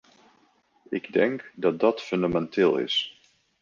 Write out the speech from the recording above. Ik denk dat dat fundamenteel is.